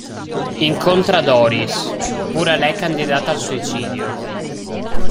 Incontra Doris, pure lei candidata al suicidio.